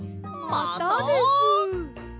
またです。